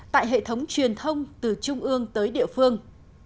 tại hệ thống truyền thông từ trung ương tới địa phương